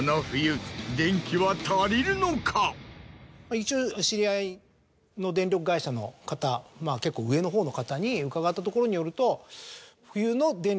一応知り合いの電力会社の方結構上のほうの方に伺ったところによると。